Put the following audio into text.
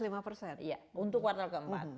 iya untuk kuartal keempat